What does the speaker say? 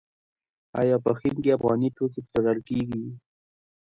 آیا په هند کې افغاني توکي پلورل کیږي؟